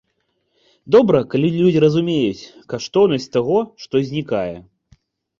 Добра, калі людзі разумеюць каштоўнасць таго, што знікае.